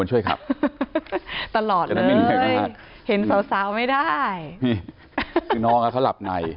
โชคดีนะ